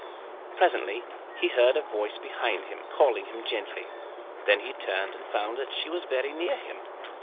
Presently he heard a voice behind him, calling him gently. Then he turned and found that she was very near him.